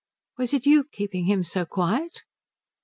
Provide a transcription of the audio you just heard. "Was it you keeping him so quiet?"